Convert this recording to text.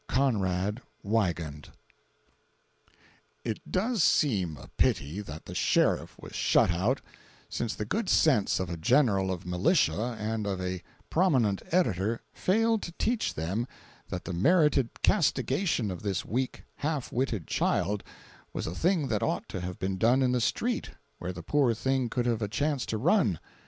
CONRAD WIEGAND. [It does seem a pity that the Sheriff was shut out, since the good sense of a general of militia and of a prominent editor failed to teach them that the merited castigation of this weak, half witted child was a thing that ought to have been done in the street, where the poor thing could have a chance to run.